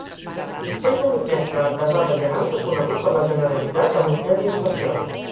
És l'únic Mestre Artesà de gegants reconegut per la Generalitat amb un premi especial.